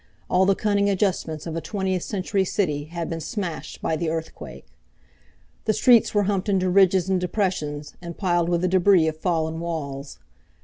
All the cunning adjustments of a twentieth century city had been smashed by the earthquake. The streets were humped into ridges and depressions, and piled with the debris of fallen walls.